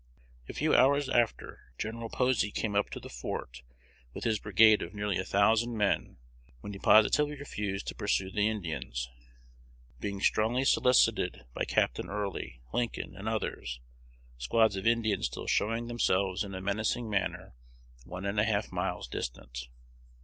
A few hours after, Gen. Posey came up to the fort with his brigade of nearly a thousand men, when he positively refused to pursue the Indians, being strongly solicited by Capt. Early, Lincoln, and others, squads of Indians still showing themselves in a menacing manner one and a half miles distant.